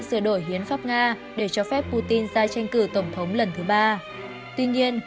sửa đổi hiến pháp nga để cho phép putin ra tranh cử tổng thống lần thứ ba tuy nhiên